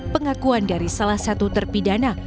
pengakuan dari salah satu terpidana